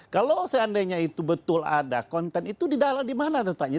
kalau seandainya itu betul ada konten itu di dalam di mana letaknya